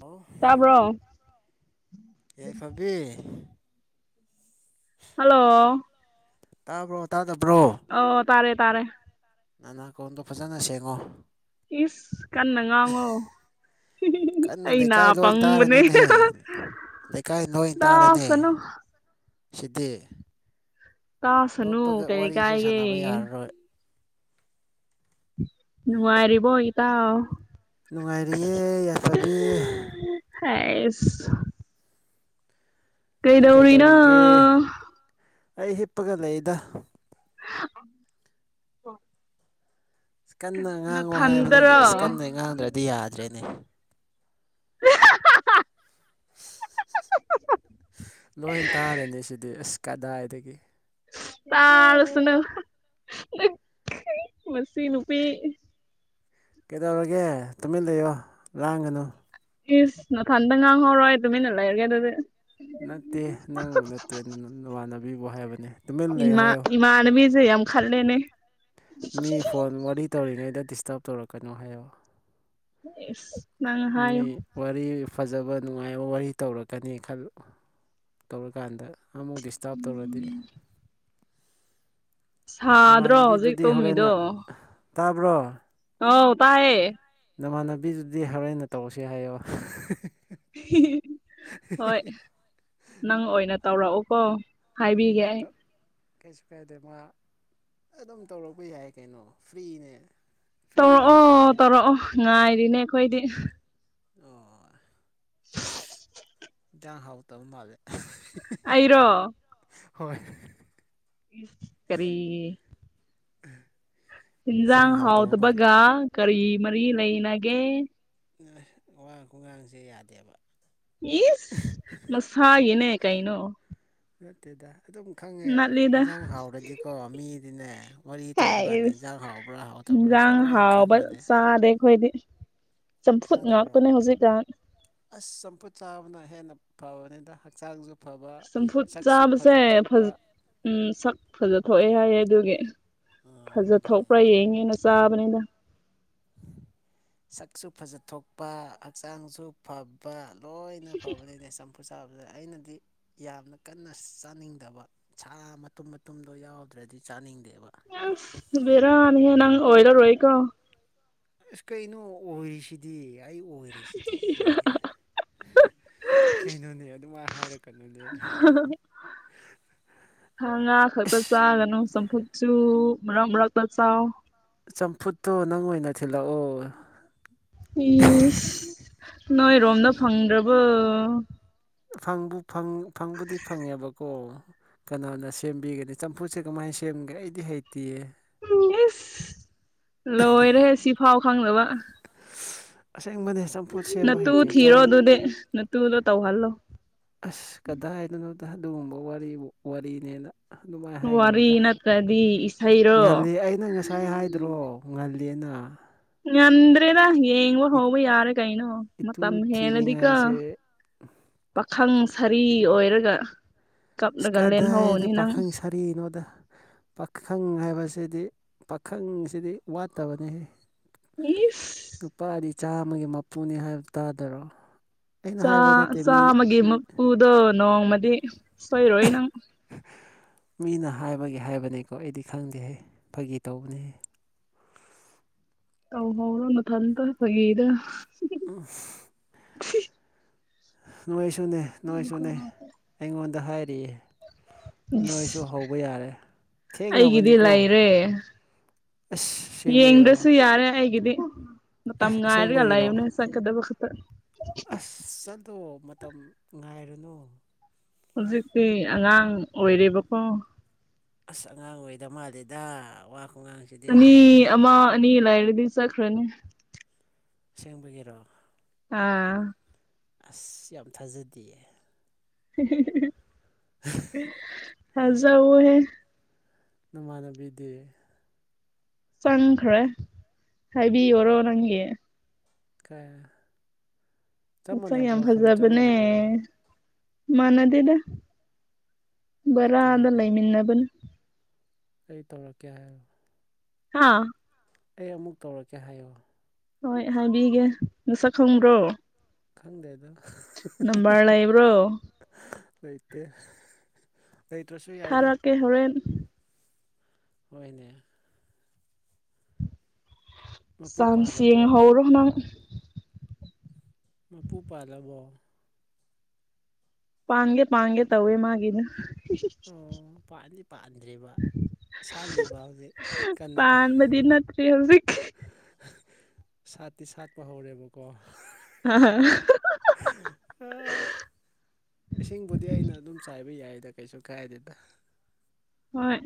ꯑꯣ ꯇꯥꯕ꯭ꯔꯣ ꯇꯕꯔꯣ ꯌꯥꯏꯐꯕꯤ ꯍꯜꯂꯣ ꯇꯥꯕ꯭ꯔꯣ ꯇꯥꯗꯕ꯭ꯔꯣ ꯑꯣ ꯇꯥꯔꯦ ꯇꯥꯔꯦ ꯅꯅꯥꯀꯣꯡꯗꯣ ꯐꯖꯅ ꯁꯦꯡꯉꯣ ꯏꯁ ꯀꯟꯅ ꯉꯥꯡꯉꯣ ꯀꯟꯅ ꯂꯩꯀꯥꯏ ꯑꯩꯅ ꯂꯣꯏ ꯄꯪꯕꯅꯦ ꯇꯥꯔꯅꯤꯅꯦꯍꯦ ꯂꯩꯀꯥꯏ ꯂꯣꯏ ꯇꯥꯔꯅꯤ ꯇꯥꯁꯅꯨ ꯁꯤꯗꯤ ꯇꯥꯁꯅꯨ ꯂꯣꯠꯄꯒ ꯀꯩ ꯋꯥꯔꯤꯁꯦ ꯀꯥꯏꯒꯦ ꯁꯥꯟꯅꯕ ꯌꯥꯔꯔꯣꯏ ꯅꯨꯡꯉꯥꯏꯔꯤꯕꯣ ꯏꯇꯥꯎ ꯅꯨꯡꯉꯥꯏꯔꯤꯌꯦ ꯌꯥꯏꯐꯕꯤ ꯍꯦꯁ ꯅꯪ ꯀꯩꯗꯧꯔꯤꯅꯣ ꯀꯩꯗꯧꯔꯤꯒꯦ ꯑꯩ ꯍꯤꯞꯄꯒ ꯂꯩꯗ [unintelligible] ꯀꯟꯅ ꯉꯥꯡꯉꯨ ꯍꯥꯏꯕꯗꯒꯤ ꯅꯊꯟꯇꯔꯣ ꯑꯁ ꯀꯟꯅ ꯉꯥꯡꯗ꯭ꯔꯗꯤ ꯌꯥꯗ꯭ꯔꯦꯅꯦ ꯂꯣꯏ ꯇꯥꯔꯅꯤ ꯁꯤꯗꯤ ꯑꯁ ꯀꯗꯥꯏꯗꯒꯤ ꯇꯥꯔꯁꯨꯅꯣ ꯅꯪ ꯃꯁꯤ ꯅꯨꯄꯤ ꯀꯩꯗꯧꯔꯒꯦ ꯇꯨꯃꯤꯟ ꯂꯩꯌꯣ ꯂꯥꯡꯒꯅꯨ ꯏꯁ ꯅꯊꯟꯗ ꯉꯥꯡꯍꯧꯔꯣ ꯑꯩ ꯇꯨꯃꯤꯟꯅ ꯂꯩꯔꯒꯦ ꯑꯗꯨꯗꯤ ꯅꯠꯇꯦ ꯅꯪꯕꯨ ꯅꯠꯇꯦ ꯑꯗꯨ ꯅꯃꯥꯟꯅꯕꯤꯕꯨ ꯍꯥꯏꯕꯅꯦ ꯇꯨꯃꯤꯟ ꯂꯩꯌꯨ ꯏꯃꯥ ꯍꯥꯏꯌꯣ ꯏꯃꯥꯅꯕꯤꯁꯦ ꯌꯥꯝ ꯈꯠꯂꯦꯅꯦ ꯃꯤ ꯐꯣꯟ ꯋꯥꯔꯤ ꯇꯧꯔꯤꯉꯩꯗ ꯗꯤꯁꯇꯞ ꯇꯧꯔꯛꯀꯅꯣ ꯍꯥꯏꯌꯣ ꯏꯁ ꯅꯪ ꯍꯥꯏꯌꯣ ꯃꯤ ꯋꯥꯔꯤ ꯐꯖꯕ ꯅꯨꯡꯉꯥꯏꯕ ꯋꯥꯔꯤ ꯇꯧꯔꯛꯀꯅꯤ ꯈꯜ ꯇꯧꯔꯀꯥꯟꯗ ꯑꯃꯨꯛ ꯗꯤꯁꯇꯥꯞ ꯇꯧꯔꯗꯤ ꯁꯥꯗ꯭ꯔꯣ ꯍꯧꯖꯤꯛ ꯅꯃꯥꯟꯅꯕꯤꯗꯨꯗꯤ ꯍꯣꯔꯦꯟꯅ ꯇꯨꯝꯃꯤꯗꯣ ꯇꯥꯕ꯭ꯔꯣ ꯑꯣ ꯇꯥꯏꯌꯦ ꯅꯃꯥꯟꯅꯕꯤꯗꯨꯗꯤ ꯍꯧꯔꯦꯟꯅ ꯇꯧꯁꯦ ꯍꯥꯏꯌꯣ ꯍꯣꯏ ꯅꯪ ꯑꯣꯏꯅ ꯇꯧꯔꯛꯎꯀꯣ ꯍꯥꯏꯕꯤꯒꯦ ꯑꯩ ꯇ ꯀꯩꯁꯨ ꯀꯥꯏꯗꯦ ꯃꯥ ꯑꯗꯨꯝ ꯇꯧꯔꯛꯄ ꯌꯥꯏ ꯀꯩꯅꯣ ꯐ꯭ꯔꯤꯅꯦ ꯐ꯭ꯔꯤ ꯇꯧꯔꯛꯑꯣ ꯂꯩꯗꯣꯏꯅꯦ ꯇꯧꯔꯛꯑꯣ ꯉꯥꯏꯔꯤꯅꯦ ꯑꯩꯈꯣꯏꯗꯤ ꯑꯣ ꯏꯟꯖꯥꯡ ꯍꯥꯎꯇꯕ ꯃꯥꯜꯂꯦ ꯑꯩꯔꯣ ꯍꯣꯏ ꯀꯔꯤꯒꯤ ꯏꯟꯖꯥꯡ ꯍꯥꯎꯇꯕ ꯃꯥꯜꯂꯦ ꯍꯥꯎꯗꯕꯒ ꯀꯔꯤ ꯃꯔꯤ ꯂꯩꯅꯒꯦ ꯋꯥ ꯈꯣꯡꯉꯥꯡꯁꯦ ꯌꯥꯗꯦꯕ ꯏꯁ ꯃꯁꯥꯒꯤꯅꯦ ꯀꯩꯅꯣ ꯅꯠꯇꯦꯗ ꯑꯗꯨꯝ ꯈꯪꯉꯦ ꯅꯠꯂꯤꯗ ꯏꯟꯖꯥꯡ ꯍꯥꯎꯔꯗꯤꯀꯣ ꯃꯤꯗꯤꯅꯦ ꯋꯥꯔꯤ ꯇꯧꯕ ꯀꯥꯟꯗ ꯍꯥꯏꯁ ꯏꯟꯖꯥꯡ ꯍꯥꯎꯕ꯭ꯔꯥ ꯍꯥꯎ ꯍꯤꯟꯖꯥꯡ ꯍꯥꯎꯕ ꯆꯥꯗꯦ ꯑꯩꯈꯣꯏꯗꯤ ꯆꯝꯐꯨꯠ ꯆꯥꯗꯕ꯭ꯔꯣ ꯉꯥꯛꯇꯅꯦ ꯍꯧꯖꯤꯛꯀꯥꯟ ꯑꯁ ꯆꯝꯐꯨꯠ ꯆꯥꯕꯅ ꯍꯦꯟꯅ ꯐꯕꯅꯤꯗ ꯍꯛꯆꯥꯡꯁꯨ ꯐꯕ ꯆꯝꯐꯨꯠ ꯁꯛꯁꯨ ꯆꯥꯕꯁꯦ ꯐꯖ ꯊꯣꯛꯄ ꯐꯖ ꯎꯝ ꯁꯛ ꯐꯖꯊꯣꯛꯑꯦ ꯍꯥꯏꯌꯦ ꯑꯗꯨꯒꯤ ꯎꯝ ꯐꯖ ꯑꯗꯨꯅꯦ ꯊꯣꯛꯄ꯭ꯔꯥ ꯌꯦꯡꯉꯤꯅ ꯆꯥꯕꯅꯤꯗ ꯁꯛꯁꯨ ꯐꯖꯊꯣꯛꯄ ꯍꯛꯆꯥꯡꯁꯨ ꯐꯕ ꯂꯣꯏꯅ ꯐꯕꯅꯤꯅꯦ ꯆꯝꯐꯨꯠ ꯆꯥꯕꯗꯤ ꯑꯩꯅꯗꯤ ꯌꯥꯝꯅ ꯀꯟꯅ ꯆꯥꯅꯤꯡꯗꯕ ꯁꯥ ꯃꯇꯨꯝ ꯃꯇꯨꯝꯗꯣ ꯌꯥꯎꯗ꯭ꯔꯗꯤ ꯆꯥꯅꯤꯡꯗꯦꯕ ꯅꯪꯁ ꯕꯦꯔꯥꯅꯦꯍꯦ ꯅꯪ ꯑꯣꯏꯔꯔꯣꯏ ꯀꯣ ꯑꯁ ꯀꯩꯅꯣ ꯑꯣꯏꯔꯤꯁꯤꯗꯤ ꯑꯩ ꯑꯣꯏꯔꯤꯁꯤꯗꯤ ꯀꯩꯅꯣꯅꯦ ꯑꯗꯨꯃꯥꯏ ꯍꯥꯏꯔꯛꯀꯅꯨꯅꯦ [inaudible] ꯁꯥ ꯉꯥ ꯈꯛꯇ ꯑꯁ ꯆꯥꯒꯅꯨ ꯆꯝꯐꯨꯠꯁꯨ ꯃꯔꯛ ꯃꯔꯛꯇ ꯆꯥꯎ ꯆꯝꯐꯨꯠꯇꯣ ꯅꯪ ꯑꯣꯏꯅ ꯊꯤꯜꯂꯛꯑꯣ ꯏꯁ ꯅꯣꯏꯔꯣꯝꯗ ꯐꯪꯗ꯭ꯔꯕꯣ ꯐꯪꯕꯨ ꯐꯪ ꯐꯪꯕꯨꯗꯤ ꯐꯪꯉꯦꯕꯀꯣ ꯀꯅꯥꯅ ꯁꯦꯝꯕꯤꯒꯅꯤ ꯆꯝꯐꯨꯁꯦ ꯀꯃꯥꯏꯅ ꯁꯦꯝꯒꯦ ꯑꯩꯗꯤ ꯍꯩꯇꯤꯌꯦ ꯎꯝ ꯏꯁ ꯂꯣꯏꯔꯦꯍꯦ ꯁꯤ ꯐꯥꯎ ꯈꯪꯗꯕ ꯑꯁꯦꯡꯕꯅꯦ ꯆꯝꯐꯨꯠ ꯁꯦꯝꯕ ꯅꯠꯇꯨ ꯍꯩꯇꯦ ꯊꯤꯔꯣ ꯆꯥꯡ ꯑꯗꯨꯗꯤ ꯅꯠꯇꯨꯗꯣ ꯇꯧꯍꯜꯂꯣ ꯑꯁ ꯀꯗꯥꯏꯗꯅꯣꯗ ꯑꯗꯨꯒꯨꯝꯕ ꯋꯥꯔꯤꯕꯨ ꯋꯥꯔꯤꯅꯦꯅ ꯑꯗꯨꯃꯥꯏ ꯋꯥꯔꯤ ꯍꯥꯏꯒꯅꯨꯗ ꯅꯠꯇ꯭ꯔꯗꯤ ꯏꯁꯩꯔꯣ ꯉꯜꯂꯤ ꯑꯩꯅ ꯉꯁ ꯁꯥꯏ ꯍꯥꯏꯗ꯭ꯔꯣ ꯉꯜꯂꯤꯌꯦꯅ ꯉꯟꯗ꯭ꯔꯦꯗ ꯌꯦꯡꯕ ꯍꯧꯕ ꯌꯥꯔꯦ ꯀꯩꯏꯅꯣ ꯏꯇꯨ ꯃꯇꯝ ꯍꯦꯜꯂꯗꯤꯀꯣ ꯊꯤꯅꯤꯡꯉꯥꯏꯁꯦ ꯄꯥꯈꯪ ꯁꯔꯤ ꯑꯣꯏꯔꯒ ꯀꯞꯂꯒ ꯂꯦꯟꯍꯧꯅꯤ ꯅꯪ ꯗꯤꯅꯣꯗ ꯄꯥꯈꯪ ꯍꯥꯏꯕꯁꯤꯗꯤ ꯄꯥꯈꯪꯁꯤꯗꯤ ꯋꯥꯠꯇꯕꯅꯦꯍꯦ ꯏꯁ ꯅꯨꯄꯥꯗꯤ ꯆꯥꯝꯃꯒꯤ ꯃꯄꯨꯅꯦ ꯍꯥꯏꯗꯣ ꯇꯥꯗꯔꯣ ꯑꯩꯅ ꯆꯥ ꯍꯥꯏꯕ ꯅꯠꯇꯦ ꯃꯤ ꯆꯥꯝꯃꯒꯤ ꯃꯄꯨꯗꯣ ꯅꯣꯡꯃꯗꯤ ꯁꯣꯏꯔꯣꯏ ꯅꯪ ꯃꯤꯅ ꯍꯥꯏꯕꯒꯤ ꯍꯥꯏꯕꯅꯦꯀꯣ ꯑꯩꯗꯤ ꯈꯪꯗꯦꯍꯦ ꯐꯒꯤ ꯇꯧꯕꯅꯦ ꯇꯧ ꯍꯧꯔꯣ ꯅꯊꯟꯇꯥ ꯐꯒꯤꯗꯣ ꯎꯝ ꯅꯣꯏꯁꯨꯅꯦ ꯅꯣꯏꯁꯨꯅꯦ ꯑꯩꯉꯣꯟꯗ ꯍꯥꯏꯔꯤꯌꯦ ꯅꯣꯏꯁꯨ ꯏꯁ ꯍꯧꯕ ꯌꯥꯔꯦ ꯑꯩꯒꯤꯗꯤ ꯊꯦꯡꯉꯕꯅꯦꯀꯣ ꯂꯩꯔꯦ ꯑꯁ ꯑꯁꯦꯡꯕꯩꯔꯣ ꯌꯦꯡꯗ꯭ꯔꯁꯨ ꯌꯥꯔꯦ ꯑꯩꯒꯤꯗꯤ ꯃꯇꯝ ꯑꯁ ꯉꯥꯏꯔꯒ ꯑꯁꯦꯡꯕꯒꯤꯔꯣ ꯂꯩꯕꯅꯦ ꯆꯠꯀꯗꯕ ꯈꯛꯇ ꯑꯁ ꯆꯠꯂꯣ ꯃꯇꯝ ꯉꯥꯏꯔꯨꯅꯨ ꯍꯧꯖꯤꯛꯇꯤ ꯑꯉꯥꯡ ꯑꯣꯏꯔꯤꯕꯀꯣ ꯑꯁ ꯑꯉꯥꯡ ꯑꯣꯏꯗ ꯃꯥꯜꯂꯤꯗ ꯋꯥ ꯈꯨꯉꯥꯡꯁꯦ ꯑꯅꯤ ꯑꯃ ꯑꯅꯤ ꯂꯩꯔꯗꯤ ꯆꯠꯈ꯭ꯔꯅꯤ ꯑꯁꯦꯡꯕꯒꯤꯔꯣ ꯑꯥ ꯑꯁ ꯌꯥꯝ ꯊꯥꯖꯗꯤꯌꯦ [inaudible] [inaudible] ꯊꯖꯧꯑꯣꯍꯦ ꯅꯃꯥꯟꯅꯕꯤꯗꯤ ꯆꯪꯈ꯭ꯔꯦ ꯍꯥꯏꯕꯤꯌꯣꯔꯣ ꯅꯪꯒꯤ ꯀꯥ ꯃꯁꯛ ꯌꯥꯝ ꯆꯞ ꯐꯖꯕꯅꯦ ꯃꯥꯟꯅꯕ꯭ꯔꯣ ꯃꯅꯗꯦꯗ ꯕꯔꯥꯗ ꯀꯥꯏꯒꯤ ꯂꯩꯃꯤꯟꯅꯕꯅꯦ ꯑꯩ ꯇꯧꯔꯛꯀꯦ ꯍꯥꯏꯌꯣ ꯍꯥ ꯑꯩ ꯑꯃꯨꯛ ꯇꯧꯔꯛꯀꯦ ꯍꯥꯏꯌꯣ ꯍꯣꯏ ꯍꯥꯏꯕꯤꯒꯦ ꯃꯁꯛ ꯈꯪꯕ꯭ꯔꯣ ꯈꯪꯗꯦꯗꯣ ꯅꯝꯕꯔ ꯂꯩꯕ꯭ꯔꯣ [unintelligible] ꯂꯩꯇꯦ ꯂꯩꯇ꯭ꯔꯁꯨ ꯌꯥꯏꯗ ꯑꯩ ꯍꯧꯔꯦꯟ ꯍꯣꯏꯅꯦ ꯃꯄꯨ ꯆꯥꯟ꯭ꯁ ꯄꯥꯜꯂꯕ꯭ꯔꯣ ꯌꯦꯡꯍꯧꯔꯣ ꯅꯪ ꯃꯄꯨ ꯄꯥꯜꯂꯕꯣ ꯄꯥꯡꯒꯦ ꯄꯥꯡꯒꯦ ꯇꯧꯋꯦ ꯃꯥꯒꯤꯅ ꯑꯣ ꯄꯥꯟꯗꯤ ꯄꯥꯟꯗ꯭ꯔꯤꯕ ꯁꯥꯠꯜꯂꯤꯕ ꯍꯧꯖꯤꯛ ꯀꯟꯅ ꯄꯥꯟꯕꯗꯤ ꯅꯠꯇ꯭ꯔꯤ ꯍꯧꯖꯤꯛ ꯁꯥꯠꯇꯤ ꯁꯥꯠꯄ ꯍꯧꯔꯦꯕꯀꯣ [unintelligible] ꯏꯁꯤꯡꯕꯨꯗꯤ ꯑꯩꯅ ꯑꯗꯨꯝ ꯆꯥꯏꯕ ꯌꯥꯏꯗ ꯀꯩꯁꯨ ꯀꯥꯏꯗꯦꯗ ꯍꯣꯏ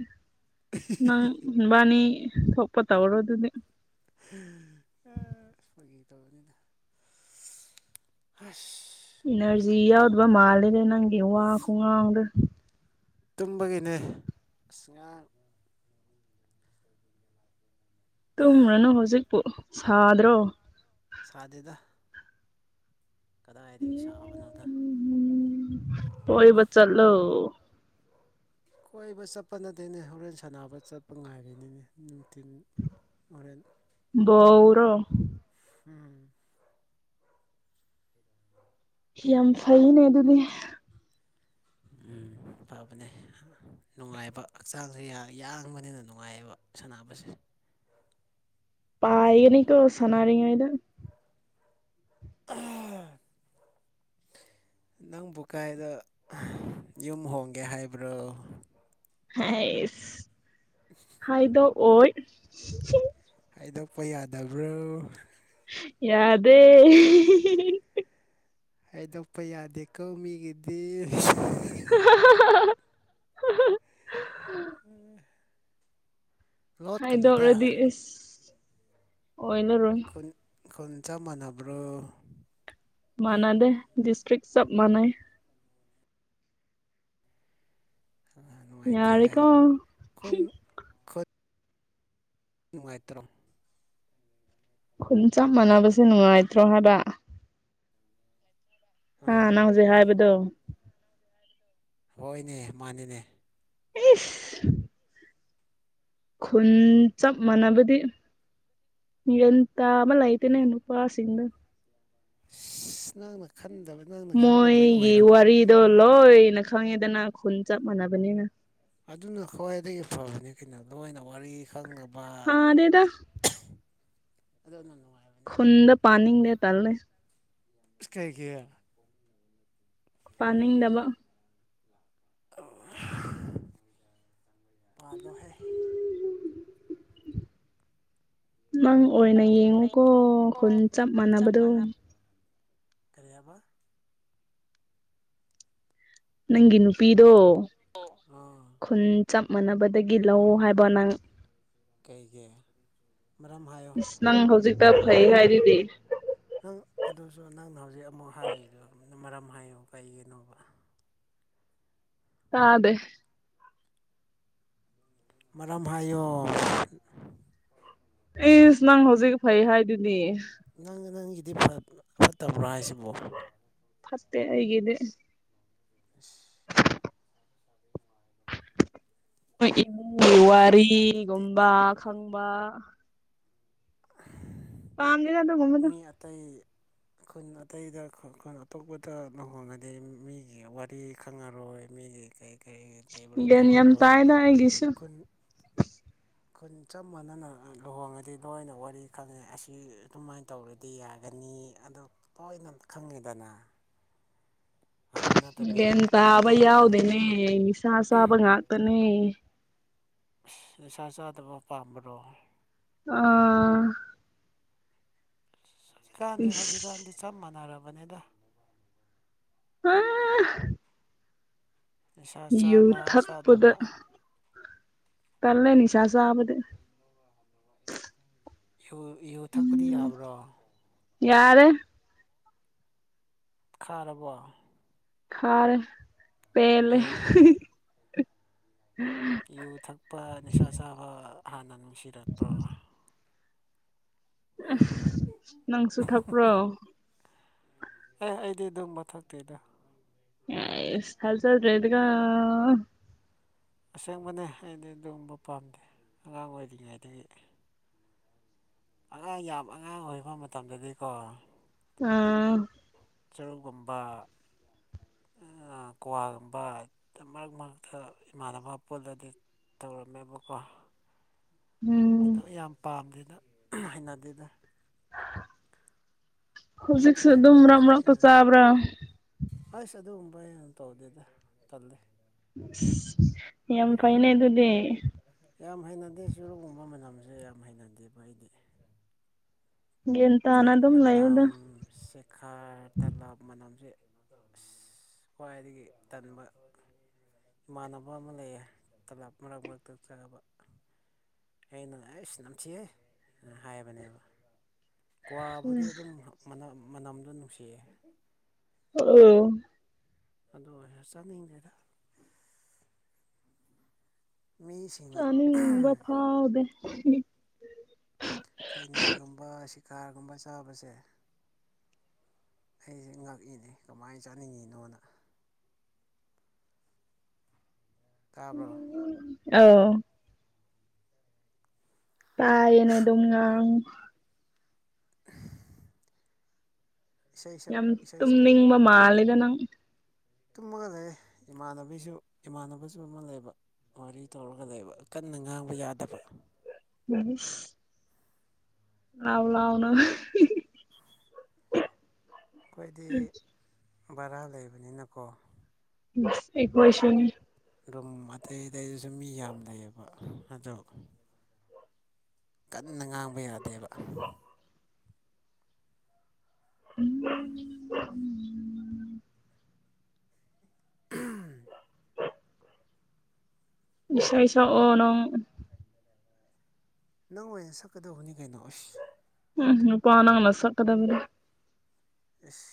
ꯅꯪꯕꯥꯅꯤ ꯊꯣꯛꯄ ꯇꯧꯔꯣꯗꯨꯗꯤ [unintelligible] ꯐꯥꯒꯤ ꯇꯧꯕꯅꯤꯗ ꯍꯁ ꯏꯅꯔꯖꯤ ꯌꯥꯎꯗꯕ ꯃꯥꯂꯦꯗ ꯅꯪꯒꯤ ꯋꯥ ꯈꯨꯡꯉꯥꯡꯗꯣ ꯇꯨꯝꯕꯒꯤꯅꯦ ꯑꯁ ꯉꯥꯡ ꯇꯨꯝꯔꯅꯨ ꯍꯧꯖꯤꯛꯄꯨ ꯁꯥꯗ꯭ꯔꯣ ꯁꯥꯗꯦꯗ ꯀꯗꯥꯏꯗꯒꯤ ꯁꯥꯕꯅꯣꯗ [unintelligible] ꯀꯣꯢꯕ ꯆꯠꯂꯣ ꯀꯣꯏꯕ ꯆꯠꯄ ꯅꯠꯇꯦꯅꯦ ꯍꯣꯔꯦꯟ ꯁꯥꯟꯅꯕ ꯆꯠꯄ ꯉꯥꯏꯔꯤꯅꯤꯅꯦ ꯅꯨꯡꯊꯤꯟ ꯃꯣꯔꯦꯟ ꯕꯣꯜꯔꯣ ꯎꯝ ꯌꯥꯝ ꯐꯩꯅ ꯑꯗꯨꯗꯤ ꯎꯝ ꯐꯕꯅꯦ ꯅꯨꯡꯉꯥꯏꯕ ꯍꯛꯆꯥꯡꯁꯦ ꯌꯥꯡꯕꯅꯤꯅ ꯅꯨꯡꯉꯥꯏꯑꯕ ꯁꯥꯟꯅꯕꯁꯦ ꯄꯥꯏꯒꯅꯤꯀꯣ ꯁꯅꯥꯔꯤꯉꯩꯗ [unintelligible] ꯅꯪꯕꯨ ꯀꯥꯏꯗ ꯌꯨꯝ ꯍꯣꯡꯒꯦ ꯍꯥꯏꯕ꯭ꯔꯣ ꯍꯩꯏ ꯍꯥꯏꯗꯣ ꯑꯣꯏ [unintelligible] ꯍꯥꯏꯗꯣꯛꯄ ꯌꯥꯗꯕ꯭ꯔꯣ ꯌꯥꯗꯦ [unintelligible] ꯍꯥꯏꯗꯣꯛꯄ ꯌꯥꯗꯦꯀꯣ ꯃꯤꯒꯤꯗꯤ [unintelligible] [unintelligible] ꯂꯣꯠꯀꯅꯨꯗ ꯍꯥꯏꯗꯣꯛꯔꯗꯤ ꯏꯁ ꯑꯣꯏꯔꯔꯣꯏ ꯈꯨꯟ ꯈꯨꯟ ꯆꯞ ꯃꯅꯕ꯭ꯔꯣ ꯃꯅꯥꯗꯦ ꯗꯤꯁꯇ꯭ꯔꯤꯛ ꯆꯞ ꯃꯅꯩ ꯅꯨꯡꯉꯥꯏꯇꯦꯍꯦ ꯌꯥꯔꯦꯀꯣ ꯈꯨꯟ ꯈꯨꯟ ꯅꯨꯡꯉꯥꯏꯇ꯭ꯔꯣ ꯈꯨꯟ ꯆꯞ ꯃꯥꯟꯅꯕꯁꯦ ꯅꯨꯡꯉꯥꯏꯇ꯭ꯔꯣ ꯍꯥꯏꯕ ꯑꯥ ꯀꯅꯥꯅꯣ ꯅꯪ ꯍꯧꯖꯤꯛ ꯍꯥꯏꯕꯗꯨ ꯍꯣꯏꯅꯦ ꯃꯥꯅꯤꯅꯦ ꯏꯁ ꯈꯨꯟ ꯆꯞ ꯃꯥꯟꯅꯕꯗꯤ ꯒꯌ꯭ꯥꯟ ꯇꯥꯕ ꯂꯩꯇꯦꯅꯦ ꯅꯨꯄꯥꯁꯤꯡꯗꯣ ꯑꯁ ꯅꯪꯅ ꯈꯟꯗꯕ ꯅꯪꯅ ꯈꯪꯗꯕꯩ ꯑꯣꯏꯔꯝꯅꯤ ꯑꯗꯣ ꯂꯣꯏꯅ ꯈꯪꯉꯦꯗꯅ ꯈꯨꯟ ꯆꯞ ꯃꯥꯟꯅꯕꯅꯤꯅ ꯑꯗꯨꯅ ꯈ꯭ꯋꯥꯏꯗꯒꯤ ꯐꯕꯅꯤ ꯀꯩꯅꯣ ꯂꯣꯏꯅ ꯋꯥꯔꯤ ꯈꯪꯅꯕ ꯍꯥꯗꯦꯗ ꯑꯗꯨ ꯑꯗꯨꯅ ꯅꯨꯡꯉꯥꯏꯕꯅꯤ ꯈꯨꯟꯗ ꯄꯥꯟꯅꯤꯡꯗꯦ ꯇꯜꯂꯦ ꯏꯁ ꯀꯔꯤꯒꯤ ꯄꯥꯟꯅꯤꯡꯗꯕ ꯄꯥꯜꯂꯣꯍꯦ ꯅꯪ ꯑꯣꯏꯅ ꯌꯦꯡꯉꯨꯀꯣ ꯎꯝ ꯈꯨꯟ ꯆꯞ ꯃꯥꯟꯅꯕꯗꯣ ꯀꯔꯤ ꯍꯥꯏꯕ ꯅꯪꯒꯤ ꯅꯨꯄꯤꯗꯣ ꯑꫭ ꯈꯨꯟ ꯆꯞ ꯃꯥꯟꯅꯕꯗꯒꯤ ꯂꯧ ꯍꯥꯏꯕ ꯅꯪ ꯀꯩꯒꯤ ꯃꯔꯝ ꯍꯥꯏꯌꯣ ꯏꯁ ꯅꯪ ꯍꯧꯖꯤꯛꯇ ꯐꯩ ꯍꯥꯏꯔꯤꯗꯨꯗꯤ ꯅꯪ ꯑꯗꯨꯁꯨ ꯅꯪꯅ ꯍꯧꯖꯤꯛ ꯑꯃꯨꯛ ꯍꯥꯏꯔꯤꯗꯨ ꯃꯔꯝ ꯍꯥꯏꯌꯨ ꯀꯩꯒꯤꯅꯣꯕ ꯇꯥꯗꯦ ꯃꯔꯝ ꯍꯥꯏꯌꯣ ꯏꯁ ꯅꯪ ꯍꯧꯖꯤꯛ ꯐꯩ ꯍꯥꯏꯗꯨꯗꯤ ꯅꯪꯒꯤ ꯅꯪꯒꯤꯗꯤ ꯐꯠꯇꯕ꯭ꯔ ꯍꯥꯏꯁꯤꯕꯣ ꯐꯠꯇꯦ ꯑꯩꯒꯤꯗꯤ ꯏꯁ ꯅꯣꯏ ꯏꯃꯨꯡꯒꯤ ꯈꯪꯗꯔꯦ ꯑꯗꯨꯗꯤ ꯋꯥꯔꯤꯒꯨꯝꯕ ꯈꯪꯕ ꯎꯝ ꯄꯥꯝꯗꯦꯗ ꯑꯗꯨꯒꯨꯝꯕꯗꯣ ꯑꯇꯩ ꯈꯨꯟ ꯑꯇꯩꯗ ꯈꯨꯟ ꯑꯇꯣꯞꯄꯗ ꯂꯨꯍꯣꯡꯉꯗꯤ ꯃꯤꯒꯤ ꯋꯥꯔꯤ ꯈꯪꯉꯔꯣꯏ ꯃꯤꯒꯤ ꯀꯔꯤ ꯀꯔꯤ ꯂꯩꯕ꯭ꯔ ꯒ꯭ꯌꯥꯟ ꯌꯥꯝ ꯈꯪꯉꯔꯣꯏ ꯇꯥꯏꯗ ꯑꯩꯒꯤꯁꯨ ꯈꯨꯟ ꯈꯨꯟ ꯆꯞ ꯃꯥꯟꯅꯅ ꯂꯨꯍꯣꯡꯉꯗꯤ ꯂꯣꯏꯅ ꯋꯥꯔꯤ ꯈꯪꯉꯦ ꯑꯁꯤ ꯑꯗꯨꯃꯥꯏꯅ ꯇꯧꯋꯦ ꯗꯤ ꯌꯥꯒꯅꯤ ꯑꯗꯨ ꯂꯣꯏꯅ ꯈꯪꯉꯤꯗꯅ ꯑꯗꯨ ꯅꯠꯇꯕꯤꯗ ꯒꯌ꯭ꯥꯟ ꯈꯨꯟ ꯇꯥꯕ ꯑꯇꯣꯞꯄ ꯌꯥꯎꯗꯦꯅꯦ ꯅꯤꯁꯥ ꯆꯥꯕ ꯉꯥꯛꯇꯅꯦ ꯅꯤꯁꯥ ꯆꯥꯗꯕ ꯄꯥꯝꯕꯔꯣ ꯑꯣ ꯍꯧꯖꯤꯛꯀꯥꯟꯁꯦ ꯏꯁ ꯍꯧꯖꯤꯛꯀꯥꯟꯗꯤ ꯆꯞ ꯃꯥꯟꯅꯔꯕꯅꯤꯗ ꯑꯥ ꯅꯤꯁꯥ ꯌꯨ ꯆꯥꯕ ꯊꯛꯄꯗ ꯆꯥꯗꯕ ꯇꯜꯂꯦ ꯅꯤꯁꯥ ꯆꯥꯕꯗꯤ ꯌꯨ ꯌꯨ ꯊꯛꯄꯗꯤ ꯎꯝ ꯌꯥꯕ꯭ꯔꯣ ꯌꯥꯔꯦ ꯈꯥꯔꯕꯣ ꯈꯥꯔꯦ ꯄꯦꯂꯦ ꯀꯩꯒꯤ ꯌꯨ ꯊꯛꯄ ꯅꯤꯁꯥ ꯆꯥꯕ ꯍꯥꯟꯅ ꯅꯨꯡꯁꯤꯔꯛꯄ ꯑꯪꯈ ꯅꯪꯁꯨ ꯊꯛꯄ꯭ꯔꯣ ꯑꯦ ꯑꯩꯗꯤ ꯑꯗꯨꯝꯕ ꯊꯛꯇꯦꯗꯣ ꯑꯦꯁ ꯊꯥꯖꯗꯦꯗ꯭ꯔꯒꯥ ꯑꯁꯦꯡꯕꯅꯦ ꯑꯩꯗꯤ ꯑꯗꯨꯒꯨꯝꯕ ꯄꯥꯝꯗꯦ ꯑꯉꯥꯡ ꯑꯣꯏꯔꯤꯉꯩꯗꯒꯤ ꯑꯉꯥꯡ ꯌꯥꯝ ꯑꯉꯥꯡ ꯑꯣꯏꯕ ꯃꯇꯝꯗꯗꯤꯀꯣ ꯑꯥꯑ ꯆꯔꯨꯒꯨꯝꯕ ꯑꯥꯑ ꯀ꯭ꯋꯥꯒꯨꯝꯕ ꯃꯔꯛ ꯃꯔꯛꯇ ꯏꯃꯥꯟꯅꯕ ꯄꯨꯜꯂꯗꯤ ꯇꯧꯔꯝꯃꯦꯕꯀꯣ INAUDIBLE ꯑꯣꯏꯗꯕ ꯌꯥꯝ ꯄꯥꯝꯗꯦꯗ ꯍꯩꯅꯗꯦꯗ ꯍꯧꯖꯤꯛꯁꯨ ꯑꯗꯨꯝ ꯃꯔꯛ ꯇꯂꯞꯒꯨꯝꯕꯁꯦ ꯃꯔꯛꯇ ꯆꯥꯕ꯭ꯔꯥ ꯍꯩꯁ ꯑꯗꯨꯒꯨꯝꯕ ꯑꯩ ꯇꯧꯗꯦꯗ ꯇꯜꯂꯦ ꯌꯥꯝ ꯐꯩꯅꯦ ꯑꯗꯨꯗꯤ ꯌꯥꯝ ꯍꯩꯅꯗꯦ ꯆꯨꯔꯨꯞꯒꯨꯝꯕ ꯃꯅꯝꯖꯦ ꯌꯥꯝ ꯍꯩꯅꯗꯦꯕ ꯑꯩꯗꯤ ꯒ꯭ꯌꯥꯟ ꯇꯥꯅ ꯑꯗꯨꯝ ꯂꯩꯩꯌꯨꯗ ꯈꯔ ꯇꯜꯂꯕ ꯃꯅꯝꯖꯦ ꯑꯥꯁ ꯈ꯭ꯋꯥꯏꯗꯒꯤ ꯇꯟꯕ ꯏꯃꯥꯟꯅꯕ ꯑꯃ ꯂꯩꯌꯦ ꯇꯂꯥꯞ ꯃꯔꯛ ꯃꯔꯛꯇ ꯆꯕ ꯑꯩꯅ ꯑꯩꯁ ꯅꯝꯊꯤꯑꯦ ꯍꯥꯏꯕꯅꯦꯕ ꯀ꯭ꯋꯥꯕꯨꯗꯤ ꯑꯗꯨꯝ ꯃꯅꯝ ꯃꯅꯝꯗꯣ ꯅꯨꯡꯁꯤꯌꯦ ꯑꯥꯑꯧ ꯑꯗꯣ ꯑꯣꯏꯔ ꯆꯥꯅꯤꯡꯗꯦꯗ ꯃꯤꯁꯤꯡꯅ ꯆꯅꯤꯡꯕ ꯐꯥꯎꯗꯦ ꯊꯨꯢ ꯈꯩꯅꯤꯒꯨꯝꯕ ꯁꯤꯀꯥꯔꯒꯨꯝꯕ ꯆꯥꯕꯖꯦ ꯑꯩꯖꯦ ꯉꯛꯏꯅꯦ ꯀꯃꯥꯏꯅ ꯆꯥꯅꯤꯡꯉꯤꯅꯣꯅ ꯇꯥꯕ꯭ꯔꯣ ꯑꯧ ꯇꯥꯏꯌꯦꯅꯦ ꯑꯗꯨꯝ ꯉꯥꯡꯉꯨ INAUDIBLE ꯌꯥꯝ ꯏꯁꯩ ꯁꯛ ꯇꯨꯝꯅꯤꯡꯕ ꯃꯥꯜꯂꯦꯗ ꯅꯪ ꯇꯨꯝꯃꯒ ꯂꯩꯌꯦ ꯏꯃꯥꯟꯅꯕꯤꯖꯨ ꯏꯃꯥꯟꯅꯕꯖꯨ ꯑꯃ ꯂꯩꯕ ꯋꯥꯔꯤ ꯇꯧꯔꯒ ꯂꯩꯕ ꯀꯟꯅ ꯉꯥꯡꯕ ꯌꯥꯗꯕ ꯂꯩꯁ ꯂꯥꯎꯂꯥꯎꯅ ꯍꯤꯍꯤ ꯈꯣꯏꯗꯤ ꯚꯔꯥ ꯂꯩꯕꯅꯤꯅꯀꯣ ꯑꯩꯈꯣꯏꯁꯨꯅꯤ ꯔꯨꯝ ꯑꯇꯩ ꯑꯇꯩꯗꯨꯁꯨ ꯃꯤ ꯌꯥꯝ ꯂꯩꯌꯦꯕ ꯑꯗꯣ ꯀꯟꯅ ꯉꯥꯡꯕ ꯌꯥꯗꯦꯕ INAUDIBLE INAUDIBLE ꯏꯁꯩ ꯁꯛꯑꯣ ꯅꯪ ꯅꯪ ꯑꯣꯏꯅ ꯁꯛꯀꯗꯕꯅꯤ ꯀꯩꯅꯣ ꯑꯥꯁ ꯎꯪ ꯅꯨꯄ ꯅꯪꯅ ꯁꯛꯀꯗꯕꯅꯦ ꯏꯁ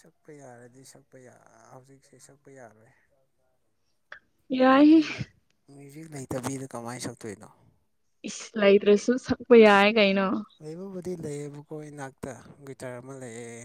ꯁꯛꯄ ꯌꯥꯔꯗꯤ ꯁꯛꯄꯌꯥ ꯍꯧꯖꯤꯛ ꯏꯁꯩ ꯁꯛꯄ ꯌꯥꯔꯣꯏ ꯌꯥꯏꯍꯦ ꯃ꯭ꯌꯨꯖꯤꯛ ꯂꯩꯇꯕꯤꯗ ꯀꯃꯥꯏꯅ ꯁꯛꯇꯣꯏꯅꯣ ꯏꯁ ꯂꯩꯗ꯭ꯔꯁꯨ ꯁꯛꯄ ꯌꯥꯏ ꯀꯩꯅꯣ꯫ ꯂꯩꯕꯕꯨꯗꯤ ꯂꯩꯌꯦꯕꯀꯣ ꯑꯩ ꯏꯅꯥꯛꯇ ꯒꯤꯇꯔ ꯑꯃ ꯂꯩꯑꯦ